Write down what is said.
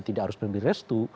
tidak harus memiliki restu